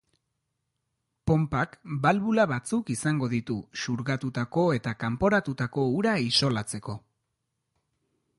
Ponpak balbula batzuk izango ditu xurgatutako eta kanporatutako ura isolatzeko.